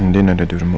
lo udah itu pak